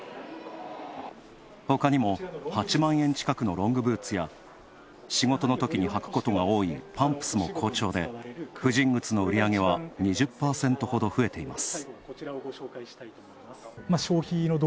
ほかにも８万円近くのロングブーツや仕事のときに履くことが多いパンプスも好調で婦人靴の売り上げは２０％ほど増えています。